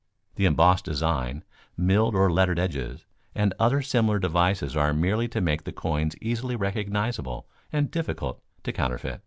The embossed design, milled or lettered edges, and other similar devices are merely to make the coins easily recognizable and difficult to counterfeit.